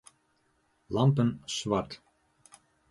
Lampen swart.